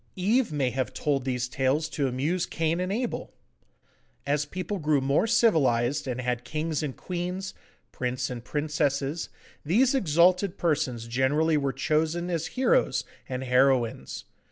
Eve may have told these tales to amuse Cain and Abel. As people grew more civilised and had kings and queens, princes and princesses, these exalted persons generally were chosen as heroes and heroines.